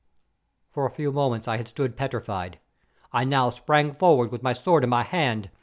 "For a few moments I had stood petrified. I now sprang forward, with my sword in my hand.